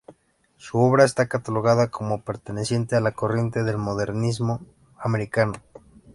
Su obra está catalogada como perteneciente a la corriente del modernismo americano.